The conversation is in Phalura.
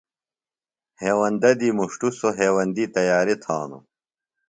ہیوندہ دی مُݜٹوۡ سوۡ ہیوندی تیاریۡ تھانوۡ۔